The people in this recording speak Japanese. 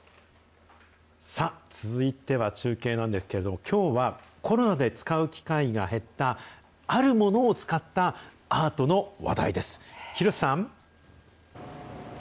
続いては、中継なんですけれども、きょうはコロナで使う機会が減った、あるものを使ったアートの話題です。